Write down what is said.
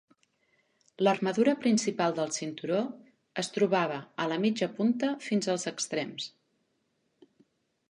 L'armadura principal del cinturó es trobava a la mitja punta fins als extrems.